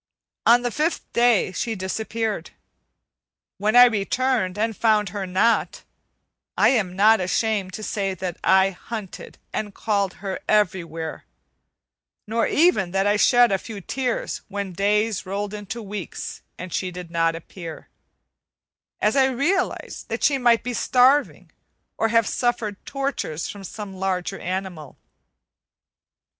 On the fifth day she disappeared. When I returned and found her not, I am not ashamed to say that I hunted and called her everywhere, nor even that I shed a few tears when days rolled into weeks and she did not appear, as I realized that she might be starving, or have suffered tortures from some larger animal.